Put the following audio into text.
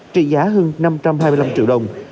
trị giá hơn năm trăm hai mươi triệu đồng